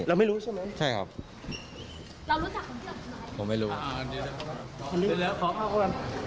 เราไม่รู้ใช่มั้ยใช่ครับเรารู้จักคำเชื่อขนาดไหนผมไม่รู้